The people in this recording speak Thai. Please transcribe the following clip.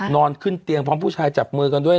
นอนขึ้นเตียงพร้อมผู้ชายจับมือกันด้วย